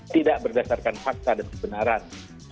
tidak berdasarkan fakta dan kebenaran